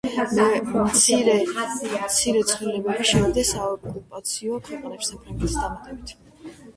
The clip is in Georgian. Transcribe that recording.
მცირე ცვლილებები შევიდა საოკუპაციო ქვეყნებში საფრანგეთის დამატებით.